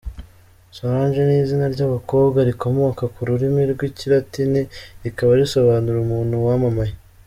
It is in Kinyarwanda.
Solange ni izina ry’abakobwa rikomoka ku rurimi rw’Ikilatini rikaba risobanura “umuntu wamamaye”.